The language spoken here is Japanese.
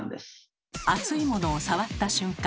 熱いものを触った瞬間